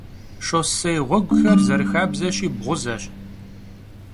Şşossê ğueguxer, zerıxabzeşi, bğuzeş.